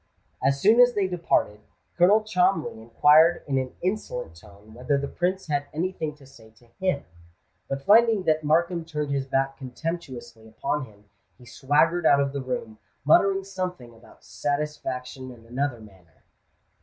As soon as they had departed, Colonel Cholmondeley inquired in an insolent tone whether the Prince had any thing to say to him; but finding that Markham turned his back contemptuously upon him, he swaggered out of the room, muttering something about "satisfaction in another manner."